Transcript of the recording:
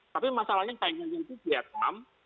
tapi masalahnya yang terjadi itu vietnam